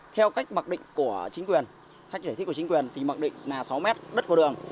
theo cách mặc định của chính quyền cách giải thích của chính quyền thì mặc định là sáu mét đất của đường